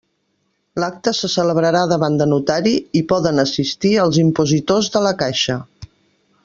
L'acte se celebrarà davant de notari, i poden assistir els impositors de la caixa.